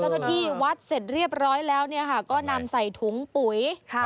ตอนที่วัดเสร็จเรียบร้อยแล้วก็นำใส่ถุงปุ๋ย